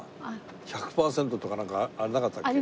１００パーセントとかなんかなかったっけ？